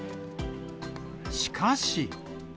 しかし。